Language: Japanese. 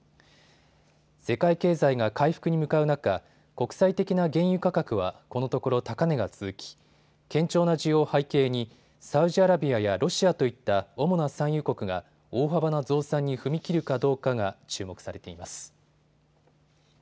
世界経済が回復に向かう中、国際的な原油価格はこのところ高値が続き、堅調な需要を背景にサウジアラビアやロシアといった主な産油国が大幅な増産に踏み切るかどうかが注目されています。